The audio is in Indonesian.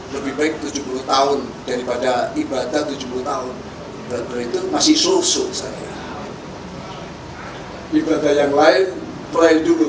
lebih baik tujuh puluh tahun daripada ibadah tujuh puluh tahun dari itu masih sosok saya ibadah yang lain perhitungan